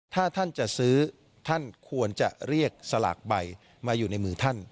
ถ้าท่านจะซื้อท่านควรจะเรียกสลากใบมาอยู่ในมือท่าน